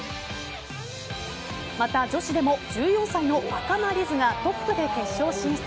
また、女子でも１４歳の赤間凜音がトップで決勝進出。